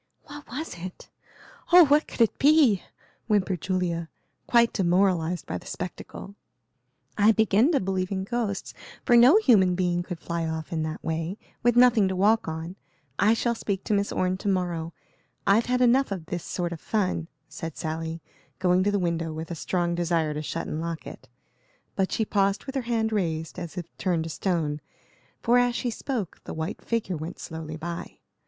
"What was it? Oh, what could it be?" whimpered Julia, quite demoralized by the spectacle. "I begin to believe in ghosts, for no human being could fly off in that way, with nothing to walk on. I shall speak to Miss Orne to morrow; I've had enough of this sort of fun," said Sally, going to the window, with a strong desire to shut and lock it. But she paused with her hand raised, as if turned to stone, for as she spoke the white figure went slowly by.